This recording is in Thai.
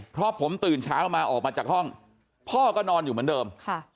เพราะผมตื่นเช้ามาออกมาจากห้องพ่อก็นอนอยู่เหมือนเดิม